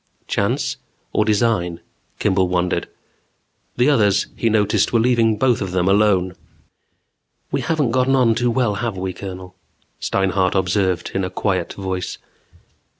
Chance or design? Kimball wondered. The others, he noticed, were leaving both of them alone. "We haven't gotten on too well, have we, Colonel?" Steinhart observed in a quiet voice.